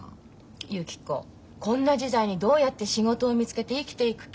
ゆき子こんな時代にどうやって仕事を見つけて生きていく気？